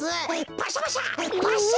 パシャパシャパッシャ！